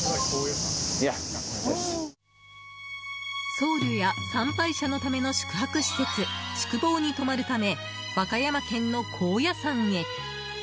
僧侶や参拝者のための宿泊施設宿坊に泊まるため和歌山県の高野山へ。